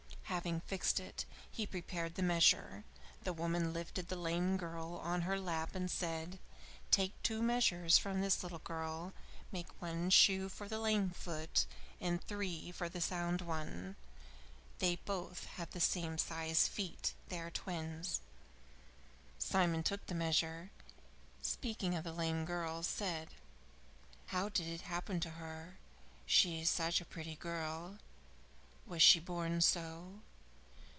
Having fixed it, he prepared the measure. The woman lifted the lame girl on to her lap and said: "Take two measures from this little girl. Make one shoe for the lame foot and three for the sound one. They both have the same size feet. They are twins." Simon took the measure and, speaking of the lame girl, said: "How did it happen to her? She is such a pretty girl. Was she born so?"